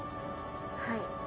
はい。